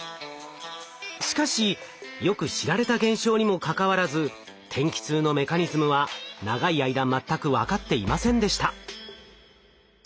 しかしよく知られた現象にもかかわらず天気痛のメカニズムは長い間全く分かっていませんでした。